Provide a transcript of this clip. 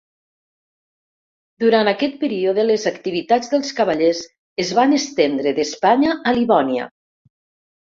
Durant aquest període, les activitats dels Cavallers es van estendre d'Espanya a Livònia.